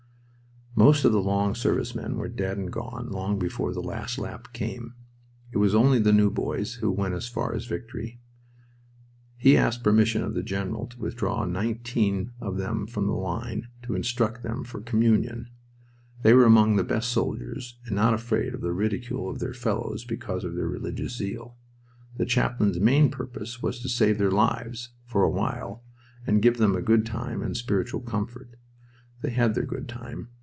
Most of the long service men were dead and gone long before the last lap came. It was only the new boys who went as far as victory. He asked permission of the general to withdraw nineteen of them from the line to instruct them for Communion. They were among the best soldiers, and not afraid of the ridicule of their fellows because of their religious zeal. The chaplain's main purpose was to save their lives, for a while, and give them a good time and spiritual comfort. They had their good time.